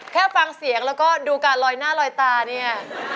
แค่ฟังเสียงแล้วก็ดูการลอยหน้าลอยตาเนี่ย